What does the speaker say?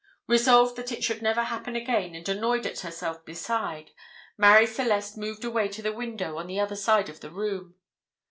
Resolved that it should never happen again, and annoyed at herself beside, Marie Celeste moved away to the window on the other side of the room.